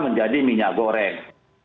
menjadi minyak goreng